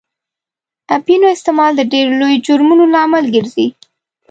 اپینو استعمال د ډېرو لویو جرمونو لامل ګرځي.